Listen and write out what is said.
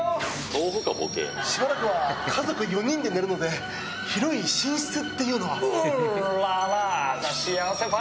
しばらくは家族４人で寝るので広い寝室っていうのは？